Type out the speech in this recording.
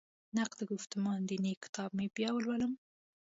نقد ګفتمان دیني کتاب مې بیا ولولم.